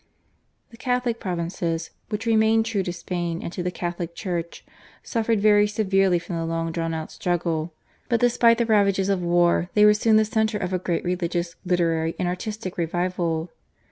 The Catholic provinces, which remained true to Spain and to the Catholic Church, suffered very severely from the long drawn out struggle, but despite the ravages of war they were soon the centre of a great religious, literary and artistic revival.